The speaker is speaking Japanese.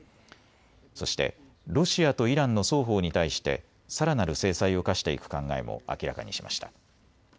そしてロシアとイランの双方に対してさらなる制裁を科していく考えも明らかにしました。